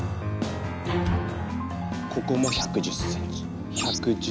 ここも１１０ｃｍ。